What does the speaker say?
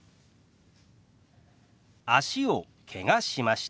「脚をけがしました」。